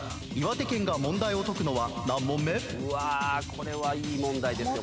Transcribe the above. これはいい問題ですよ。